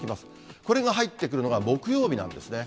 これが入ってくるのが木曜日なんですね。